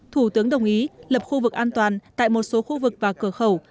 thủ tướng đồng ý lập khu vực an toàn tại một số khu vực và cửa khẩu